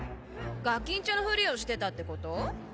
ガキンチョのふりをしてたってこと？